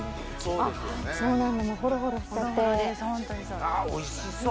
あっおいしそう！